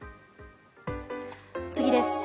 次です。